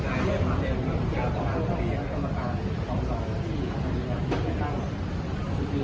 ค่ะก็เรื่องการนั่งนักกรรมการโรงการสรรค์ใช่ไหมคะ